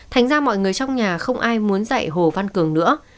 thành ra mọi người trong nhà không ai muốn dạy hồ văn cường nữa